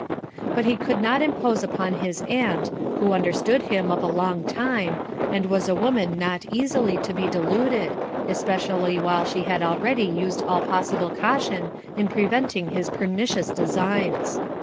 But he could not impose upon his aunt, who understood him of a long time, and was a woman not easily to be deluded, especially while she had already used all possible caution in preventing his pernicious designs.